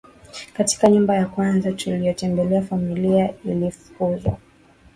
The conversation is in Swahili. Katika nyumba ya kwanza tuliyotembelea familia ilifukuzwa